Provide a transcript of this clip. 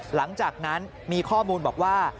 หลังจากนั้นมีข้อมูลบอกว่า